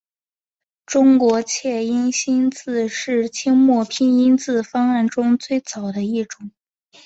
中国切音新字是清末拼音字方案中最早的一种。